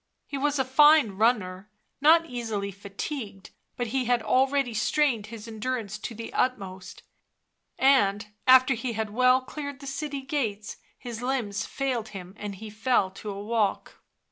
He was a fine runner, not easily fatigued, but he had already strained his endurance to the utmost, and, after he had well cleared the city gates, his limbs failed him and he fell to a walk.